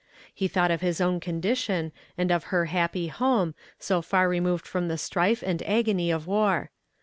He thought of his own condition, and of her happy home, so far removed from the strife and agony of war.